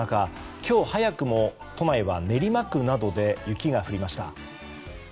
今日早くも都内は練馬区などで雪が降りました。